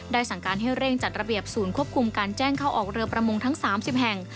สั่งการให้เร่งจัดระเบียบศูนย์ควบคุมการแจ้งเข้าออกเรือประมงทั้ง๓๐แห่ง